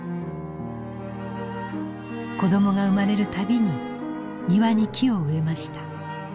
子どもが生まれるたびに庭に木を植えました。